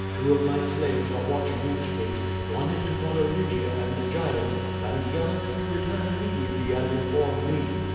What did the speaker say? Two of my slaves are watching each gate, one is to follow Lygia and the giant and the other is to return immediately and inform me.